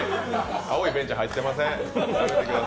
「青いベンチ」入ってません。